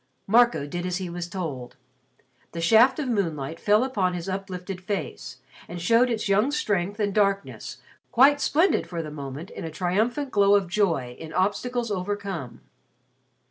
Marco did as he was told. The shaft of moonlight fell upon his uplifted face and showed its young strength and darkness, quite splendid for the moment in a triumphant glow of joy in obstacles overcome.